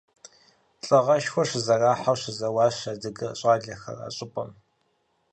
Лӏыгъэшхуэ щызэрахьэу щызэуащ адыгэ щӏалэхэр а щӏыпӏэм.